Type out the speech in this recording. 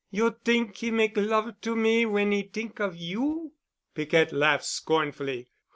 You t'ink 'e make love to me when 'e t'ink of you?" Piquette laughed scornfully.